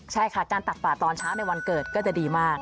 ใช่ค่ะการตักป่าตอนเช้าในวันเกิดก็จะดีมาก